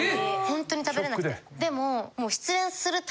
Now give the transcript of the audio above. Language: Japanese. ホントに食べれなくて。